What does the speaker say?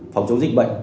phòng chống dịch bệnh